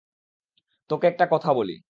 তোকে একটা কথা বলি।